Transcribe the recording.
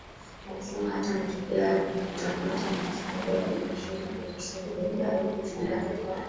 alisema hata matukio ya kukamatwakamatwa na askari wa Jeshi la Polisi hayajawahi kumshangaza kwa